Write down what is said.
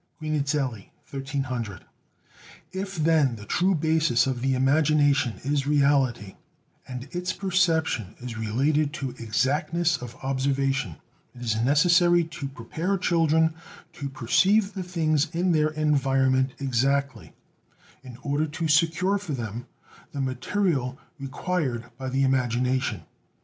(Guinizelli, 1300.) If, then, the true basis of the imagination is reality, and its perception is related to exactness of observation, it is necessary to prepare children to perceive the things in their environment exactly, in order to secure for them the material required by the imagination.